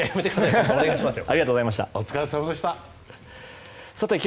お願いしますよ。